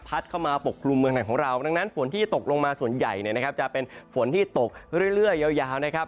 พัดเข้ามาปกปรุงเมืองไหนของเราดังนั้นฝนที่ตกลงมาส่วนใหญ่จะเป็นฝนที่ตกเรื่อยยาวนะครับ